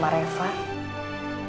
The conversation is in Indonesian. mama reva yang bantuin sama kamu